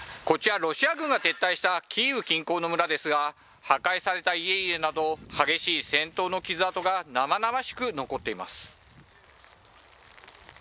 こちら、ロシア軍が撤退したキーウ近郊の村ですが破壊された家々など激しい戦闘の傷痕が生々しく残っています。